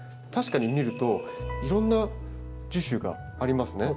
確かに見るといろんな樹種がありますね。